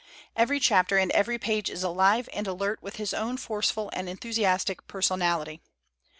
Every chapter and every page is alive and alert \vith his own forceful' and enthusiastic personal ity.